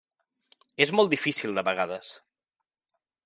És molt difícil de vegades.